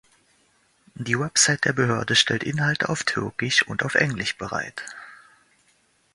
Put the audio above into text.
Die Website der Behörde stellt Inhalte auf Türkisch und auf Englisch bereit.